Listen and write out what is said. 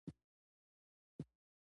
ښه پوهېږو اسلام هدفونو تضاد نه لري.